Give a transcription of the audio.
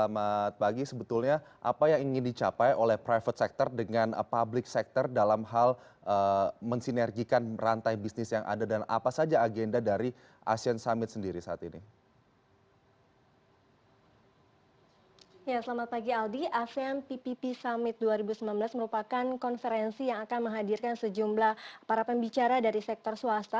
dua ribu sembilan belas merupakan konferensi yang akan menghadirkan sejumlah para pembicara dari sektor swasta